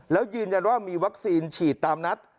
แล้วยืนยันว่ามีวัคซีนฉีดตามนัด